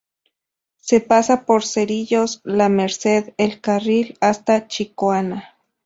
Se pasa por Cerrillos, La Merced, El Carril, hasta Chicoana.